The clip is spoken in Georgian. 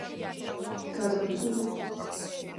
გაზაფხული